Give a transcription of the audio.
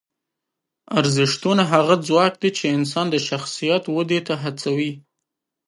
ارزښتونه هغه ځواک دی چې انسان د شخصیت ودې ته هڅوي.